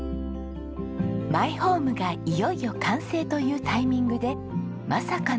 マイホームがいよいよ完成というタイミングでまさかの展開。